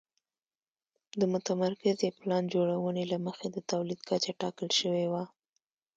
د متمرکزې پلان جوړونې له مخې د تولید کچه ټاکل شوې وه